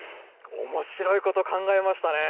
おもしろいこと考えましたね。